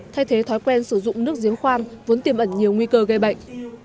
thay thế thói quen sử dụng nước giếng khoan vốn tiềm ẩn nhiều nguy cơ gây bệnh